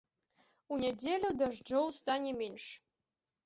У нядзелю дажджоў стане менш.